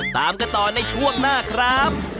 ตามกันต่อในช่วงหน้าครับ